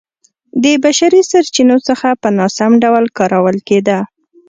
د بشري سرچینو څخه په ناسم ډول کارول کېده